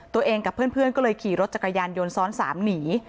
ตัวเองกับเพื่อนก็เลยขี่รถจักรยานยนต์ซ้อน๓หนี